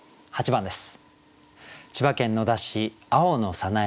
８番です。